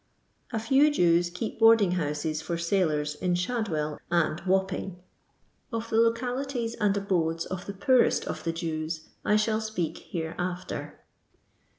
A few Jews keep boarding houses for sailors in Shadwell and Wapping. Of the localities and abodes of the poemt of the Jews I shall speak hereafter.